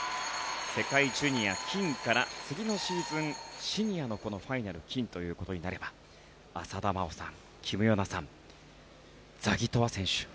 世界ジュニア金から次のシーズンシニアのこのファイナル金ということになれば浅田真央さん、キム・ヨナさんザギトワ選手